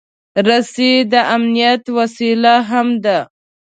رسۍ د امنیت وسیله هم ده.